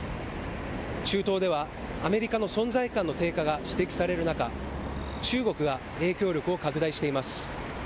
中東ではアメリカの存在感の低下が指摘される中、中国が影響力を拡大しています。